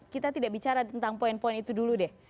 kita tidak bicara tentang poin poin itu dulu deh